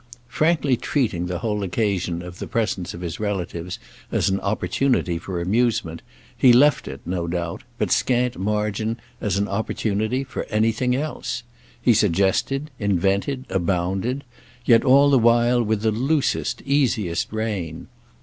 Frankly treating the whole occasion of the presence of his relatives as an opportunity for amusement, he left it, no doubt, but scant margin as an opportunity for anything else. He suggested, invented, abounded—yet all the while with the loosest easiest rein.